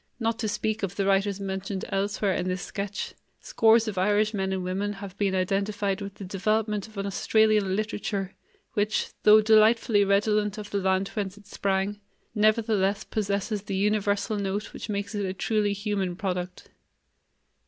Not to speak of the writers mentioned elsewhere in this sketch, scores of Irish men and women have been identified with the development of an Australian literature which, though delightfully redolent of the land whence it sprang, nevertheless possesses the universal note which makes it a truly human product.